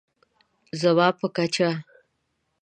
زما په کچه